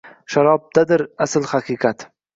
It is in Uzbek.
Sharobdadir asl haqiqat…